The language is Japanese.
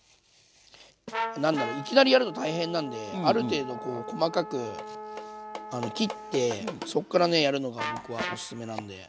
なんだろいきなりやると大変なんである程度こう細かく切ってそっからねやるのが僕はおすすめなんで。